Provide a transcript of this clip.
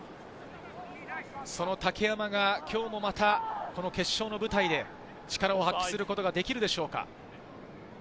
竹山が今日もまた決勝の舞台で力を発揮することができるでしょうか？